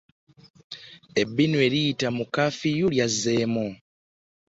Ebbinu eriyita mu kafiyu lyazzemu.